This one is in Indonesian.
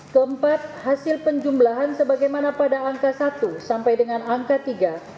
keempat hasil penjumlahan sebagaimana pada angka satu sampai dengan angka tiga